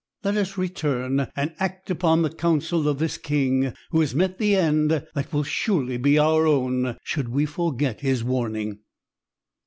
Let us return and act upon the counsel of this king who has met the end that will surely be our own should we forget his warning."